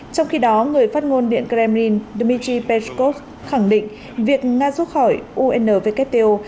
trong khi đó người phát ngôn điện kremlin dmitry peskov khẳng định việc nga rút khỏi unvkto